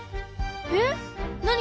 えっ何？